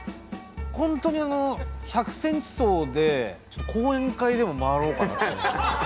本当にあの１００ｃｍ走でちょっと講演会でも回ろうかなと。